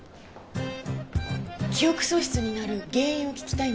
記憶喪失になる原因を聞きたいんです。